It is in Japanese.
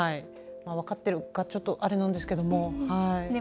分かってるかちょっとあれなんですけども。